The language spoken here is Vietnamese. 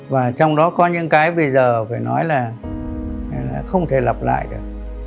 và trong đó có những cái bây giờ phải nói là không thể lặp lại được